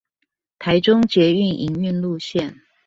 臺中捷運營運路線